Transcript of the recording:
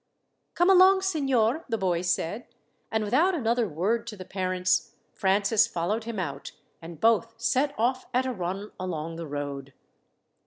"Come along, signor," the boy said; and without another word to the parents Francis followed him out, and both set off at a run along the road.